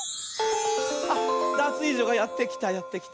あっダツイージョがやってきたやってきた。